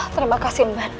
terima kasih umban